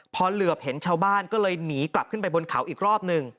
พอเหลือบเห็นชาวบ้านก็เลยหนีกลับขึ้นไปบนเขาอีกรอบหนึ่ง